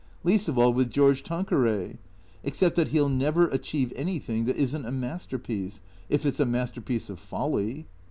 Least of all with George Tanqueray. Except that he '11 never achieve anything that is n't a masterpiece. If it 's a masterpiece of folly."